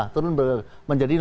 turun menjadi lima belas